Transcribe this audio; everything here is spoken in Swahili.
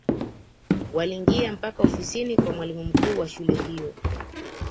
waliingia mpaka ofisini kwa mwalimu mkuu wa shule hiyo